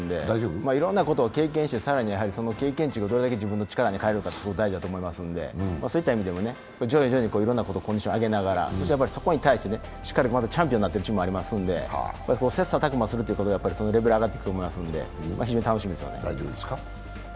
いろんなことを経験してその経験値をいかに自分の力にかえられるかが大事だと思いますので、そういった意味でも徐々にいろんなこと、コンディションを上げながらそしてそこに対してしっかりチャンピオンでもあるので切さたく磨するということでレベルが上がってくると思いますので楽しみですね。